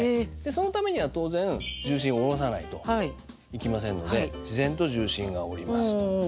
そのためには当然重心下ろさないといきませんので自然と重心が下ります。